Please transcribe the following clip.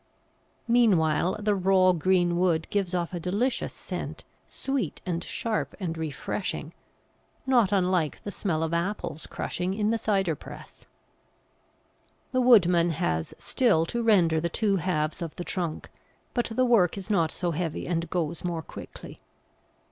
Meanwhile the raw green wood gives off a delicious scent, sweet and sharp and refreshing, not unlike the smell of apples crushing in the cider press. [Illustration: THE WOODMAN.] The woodman has still to rend the two halves of the trunk, but the work is not so heavy and goes more quickly.